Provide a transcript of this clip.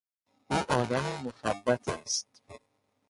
او آدمی مخبط است.